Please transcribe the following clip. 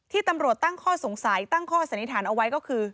ตำรวจตั้งข้อสงสัยตั้งข้อสันนิษฐานเอาไว้ก็คือ